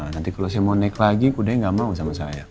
nanti kalau saya mau naik lagi kudanya nggak mau sama saya